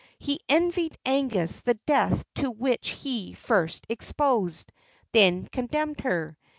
He envied Agnes the death to which he first exposed, then condemned, her.